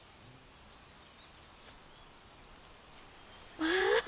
まあ！